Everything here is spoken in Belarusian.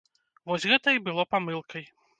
Вось гэта і было памылкай.